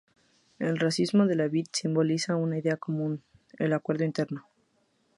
El racimo de la vid simboliza una idea común: el acuerdo interno.